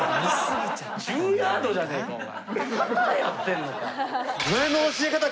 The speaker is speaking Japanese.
１０ヤードじゃねえかお前。